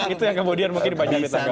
itu yang kemudian mungkin dipanjangin tanggal